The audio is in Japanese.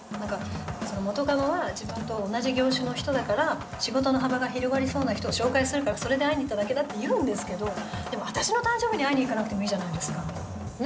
「元カノは自分と同じ業種の人だから仕事の幅が広がりそうな人を紹介するからそれで会いに行っただけだ」って言うんですけどでも私の誕生日に会いに行かなくてもいいじゃないですか。ね？